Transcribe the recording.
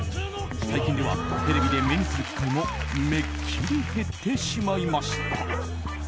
最近ではテレビで目にする機会もめっきり減ってしまいました。